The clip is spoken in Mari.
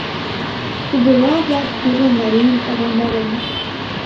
Кугыжа-влак тӱрлын марийым орландареныт...